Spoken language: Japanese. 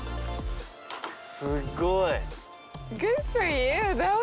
すごい！